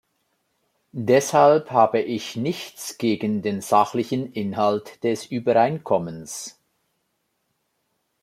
Deshalb habe ich nichts gegen den sachlichen Inhalt des Übereinkommens.